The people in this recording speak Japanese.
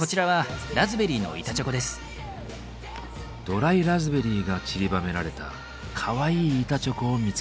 ドライラズベリーがちりばめられたかわいい板チョコを見つけました。